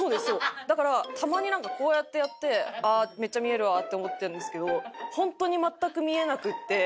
だからたまになんかこうやってやってあっめっちゃ見えるわって思ったんですけどホントに全く見えなくて。